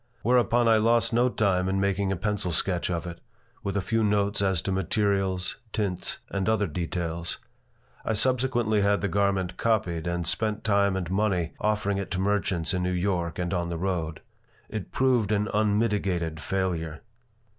Whereupon I lost no time in making a pencil sketch of it, with a few notes as to materials, tints, and other details. I subsequently had the garment copied and spent time and money offering it to merchants in New York and on the road. It proved an unmitigated failure.